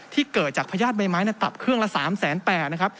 เกิดจากพญาติใบไม้ตับเครื่องละ๓๘๐๐นะครับ